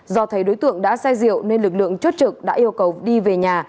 do thấy đối tượng đã say rượu nên lực lượng chốt trực đã yêu cầu đi về nhà